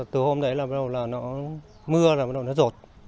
từ hôm đấy là bắt đầu nó mưa bắt đầu nó rột